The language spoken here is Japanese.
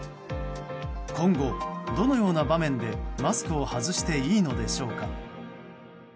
今後どのような場面で、マスクを外していいのでしょうか。